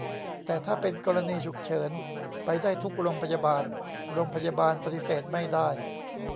แต่ถ้าเป็นกรณีฉุกเฉิน ไปได้ทุกโรงพยาบาล โรงพยาบาลปฏิเสธไม่ได้